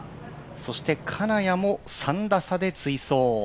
そして金谷も３打差で追走。